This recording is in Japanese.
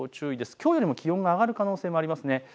きょうよりも気温が上がる可能性があります。